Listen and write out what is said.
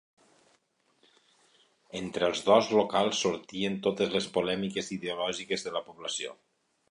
Entre els dos locals sortiren totes les polèmiques ideològiques de la població.